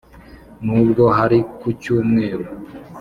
N'ubwo hari ku cyumweru